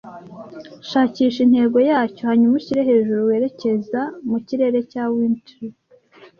Shakisha intego yacyo hanyuma ushire hejuru werekeza mu kirere cya wintry.